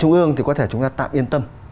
trung ương thì có thể chúng ta tạm yên tâm